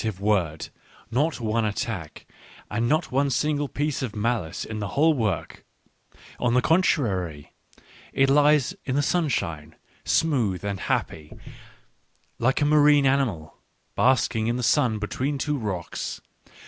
Digitized by Google 92 ECCE HOMO word, not one attack, and not one single piece of malice in the whole work — on the contrary, it lies in the sunshine, smooth and happy, like a marine animal, basking in the sun between two rocks.